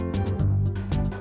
kenapa sih ma